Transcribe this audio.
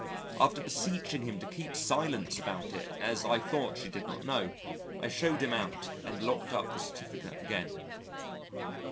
After beseeching him to keep silence about it as I thought she did not know, I shewed him out and locked up the certificate again.